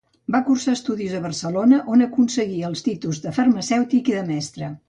Va cursar estudis a Barcelona, on aconseguí els títols de farmacèutic i de mestre.